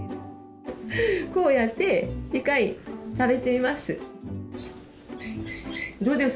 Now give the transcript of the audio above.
こうやって１回食べてみます。